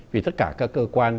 vì tất cả các cơ quan